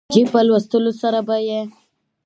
چې په لوستلو سره به يې